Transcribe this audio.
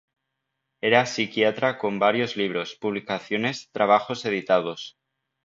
Era psiquiatra, con varios libros, publicaciones, trabajos editados.